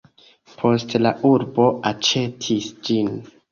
Poste la urbo aĉetis ĝin.